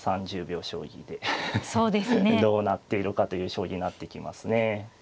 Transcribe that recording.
どうなっているかという将棋になってきますね。